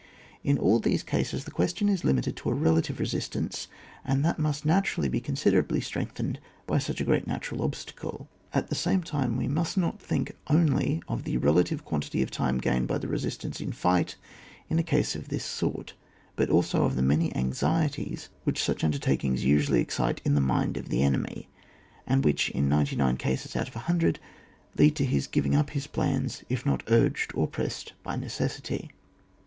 In all these cases the question is limited to a relative resistance, and that must naturally be considerably strengthened by such a great natural obstacle. At the same time, we must not think only of the relative quan tity of time gained by the resistance in fight in a case of this sort, but also of the many anxieties which such under takings usually excite in the mind of the enemy, and which in ninety nine cases out of a himdred lead to his giving up his plans if not urged or pressed by necessity.